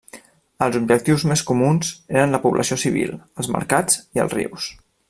Els objectius més comuns eren la població civil, els mercats i els rius.